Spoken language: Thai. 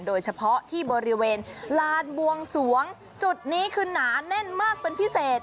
โดยเฉพาะที่บริเวณลานบวงสวงจุดนี้คือหนาแน่นมากเป็นพิเศษ